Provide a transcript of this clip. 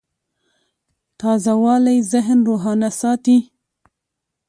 تازهوالی ذهن روښانه ساتي.